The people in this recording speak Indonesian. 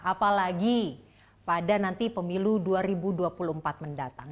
apalagi pada nanti pemilu dua ribu dua puluh empat mendatang